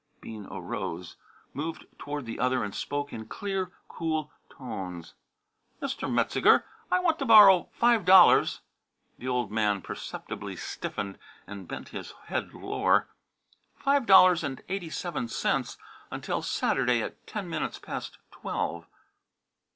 Bean arose, moved toward the other and spoke in clear, cool tones. "Mr. Metzeger, I want to borrow five dollars " The old man perceptibly stiffened and bent his head lower. " five dollars and eighty seven cents until Saturday at ten minutes past twelve."